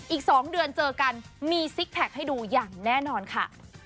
อีก๒เดือนเจอกันมีซิกแพคให้ดูอย่างแน่นอนค่ะ